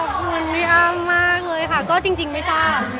คืนพี่อ้ำมากเลยค่ะก็จริงไม่ทราบ